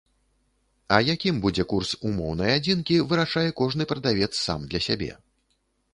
А якім будзе курс умоўнай адзінкі, вырашае кожны прадавец сам для сябе.